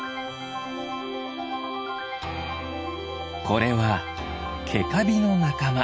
これはケカビのなかま。